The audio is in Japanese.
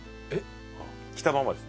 着たままです